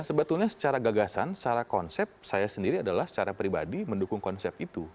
sebetulnya secara gagasan secara konsep saya sendiri adalah secara pribadi mendukung konsep itu